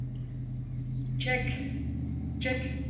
Çek, çek!